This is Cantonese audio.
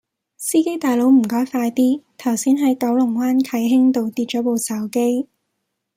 司機大佬唔該快啲，頭先喺九龍灣啟興道跌左部手機